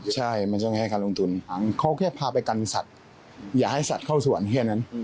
ใช่มันต้องแค่การลงทุนเขาแค่พาไปกันสัตว์อย่าให้สัตว์เข้าสวนแค่นั้น